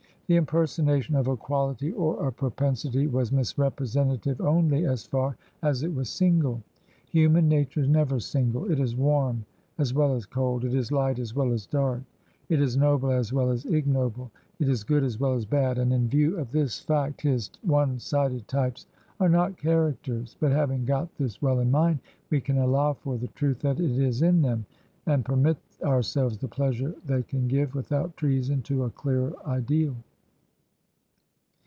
The impersonation of a quality or a pro pensity was misrepresentative only as far as it was single. Hiunan nature is never single; it is warm as well as cold; it is light as well as dark; it is noble as well as ignoble; it is good as well as bad; and, in view of this fact, his one sided types are not characters. But having got this well in mind, we can allow for the truth that is in them, and permit ourselves the pleasure they can give, without treason to a clearer ideal.